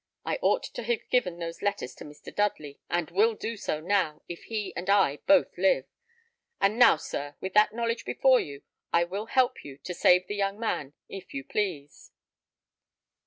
I ought to have given those letters to Mr. Dudley, and will do so now, if he and I both live. And now, sir, with that knowledge before you, I will help you to save the young man, if you please."